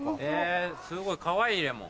すごいかわいいレモン。